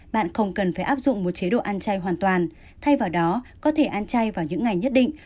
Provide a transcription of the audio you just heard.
bạn không cần phải áp dụng một chế độ ăn chay hoàn toàn thay vào đó có thể ăn chay vào những ngày nhất định